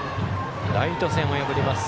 ライト線を破ります